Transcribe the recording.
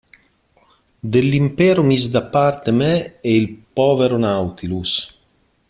Dell'Impero mise da parte me e il povero Nautilus.